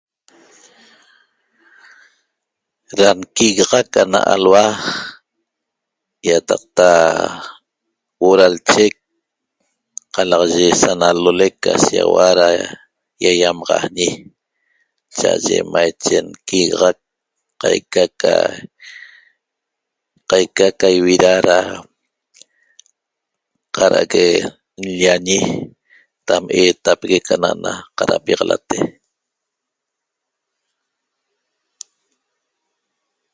Da nquigaxac ana alhua ýataqta huo'o da lchec qalaxaye sa nalolec ca shiýaxaua da ýaýamaxajñi cha'aye maiche nquigaxac qaica ca qaica ca ivida da cad'ac nllañi dam eetapeguec ana'ana qadapiaxalate